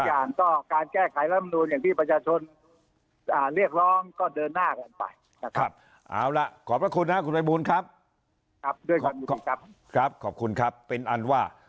นะคะทุกอย่างก็การแก้ไขนั้นประชาชนเรียกร้อง